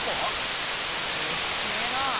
でっけえな！